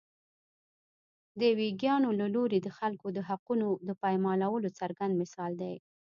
د ویګیانو له لوري د خلکو د حقونو د پایمالولو څرګند مثال دی.